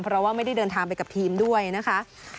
เพราะว่าไม่ได้เดินทางไปกับทีมด้วยนะคะ